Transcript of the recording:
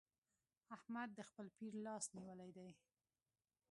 احمد د خپل پير لاس نيولی دی.